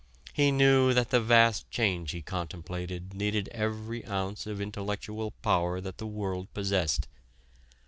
He knew that the vast change he contemplated needed every ounce of intellectual power that the world possessed.